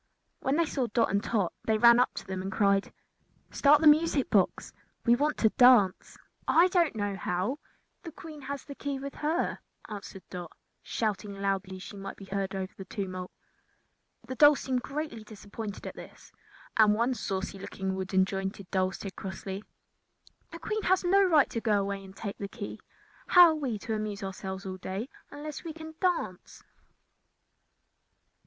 When they saw Dot and Tot they ran up to them and cried: "Start the music box! We want to dance." "I do not know how. The Queen has the key with her," answered Dot, shouting loudly that she might be heard above the tumult. The dolls seemed greatly disappointed at this, and one saucy looking wooden jointed doll said crossly: "The Queen has no right to go away and take the key. How are we to amuse ourselves all day unless we can dance?"